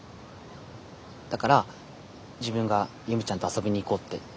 だから自分が由美ちゃんと遊びに行こうって言ったんです。